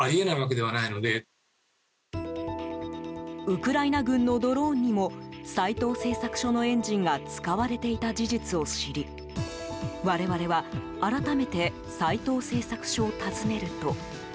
ウクライナ軍のドローンにも斎藤製作所のエンジンが使われていた事実を知り我々は改めて斎藤製作所を訪ねると。